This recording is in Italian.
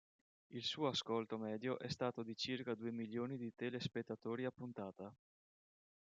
Il suo ascolto medio è stato di circa due milioni di telespettatori a puntata.